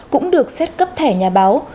cũng được xét cấp thẻ nhà báo